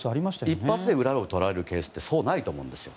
一発で裏をとられるケースってそうないと思うんですよ。